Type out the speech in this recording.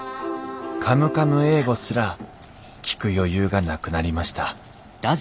「カムカム英語」すら聴く余裕がなくなりました